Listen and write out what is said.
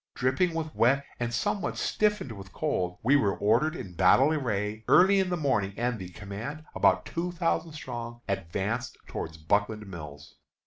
Dripping with wet and somewhat stiffened with cold, we were ordered in battle array early in the morning, and the command, about two thousand strong, advanced toward Buckland Mills.